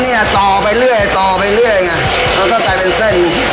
ก็เนี่ยต่อไปเรื่อยต่อไปเรื่อยไงแล้วก็กลายเป็นเส้นหนึ่ง